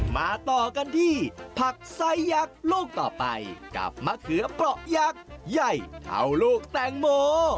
มาต่อกันที่ผักไซสยักษ์ลูกต่อไปกับมะเขือเปราะยักษ์ใหญ่เท่าลูกแตงโม